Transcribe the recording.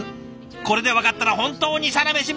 これで分かったら本当に「サラメシ」マニア。